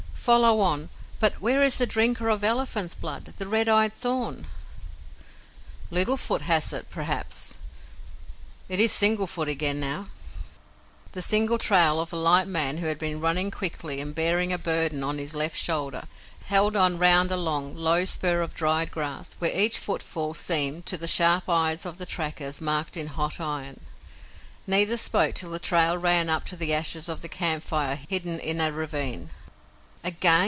"Follow on. But where is the drinker of elephant's blood the red eyed thorn?" "Little Foot has it perhaps. It is single foot again now." The single trail of a light man who had been running quickly and bearing a burden on his left shoulder held on round a long, low spur of dried grass, where each footfall seemed, to the sharp eyes of the trackers, marked in hot iron. Neither spoke till the trail ran up to the ashes of a camp fire hidden in a ravine. "Again!"